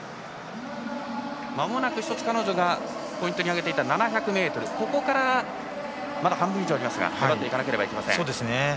１つ彼女がポイントに挙げていた７００ｍですがここからまだ半分以上ありますが保っていかなくてはいけません。